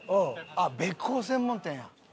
あっ「鼈甲専門店」や。